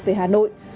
về hà nội